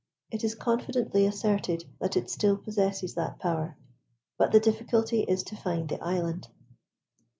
It is confidently asserted that it still possesses that power; but the difficulty is to find the island.